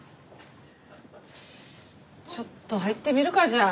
ちょっと入ってみるかじゃあ。